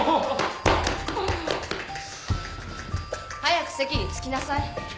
早く席に着きなさい。